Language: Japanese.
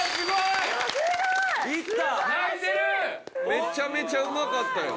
めちゃめちゃうまかったよ。